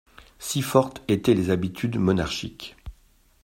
Si fortes étaient les habitudes monarchiques.